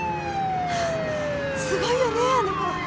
すごいよねあの子。